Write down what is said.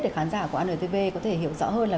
để khán giả của antv có thể hiểu rõ hơn là